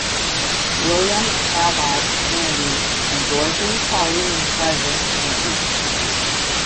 William Talbot Handy and Dorothy Pauline Pleasant Handy.